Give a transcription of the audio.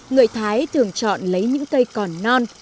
người thái thường chọn lấy những cây còn non